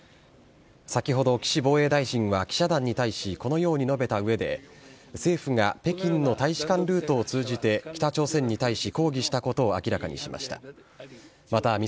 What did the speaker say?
先ほど、岸防衛大臣は記者団に対しこのように述べたうえで、政府が北京の大使館ルートを通じて北朝鮮に対し抗議したことを明らかにしました。